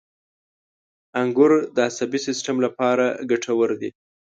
• انګور د عصبي سیستم لپاره ګټور دي.